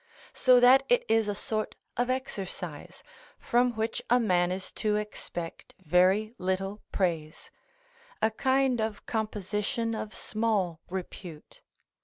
So that it is a sort of exercise, from which a man is to expect very little praise; a kind of composition of small repute.